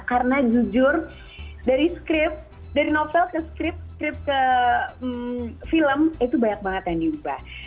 karena jujur dari script dari novel ke script script ke film itu banyak banget yang diubah